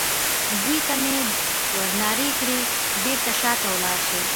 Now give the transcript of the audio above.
دوی ته مې ور نارې کړې: بېرته شا ته ولاړ شئ.